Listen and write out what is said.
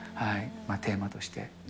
テーマとして。